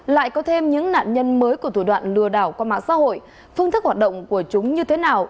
lại có thêm những nạn nhân mới của thủ đoạn lừa đảo qua mạng xã hội phương thức hoạt động của chúng như thế nào